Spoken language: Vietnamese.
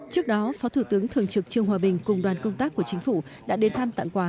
trước đó phó thủ tướng thường trực trương hòa bình cùng đoàn công tác của chính phủ đã đến thăm tặng quà